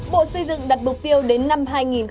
bộ xây dựng đặt mục tiêu đến các tài khoản